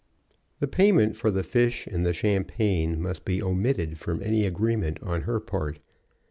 The payment for the fish and the champagne must be omitted from any agreement on her part.